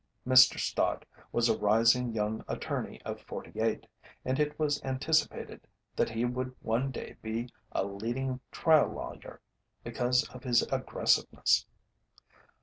Mr. Stott was a rising young attorney of forty eight, and it was anticipated that he would one day be a leading trial lawyer because of his aggressiveness.